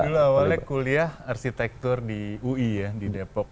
dulu awalnya kuliah arsitektur di ui ya di depok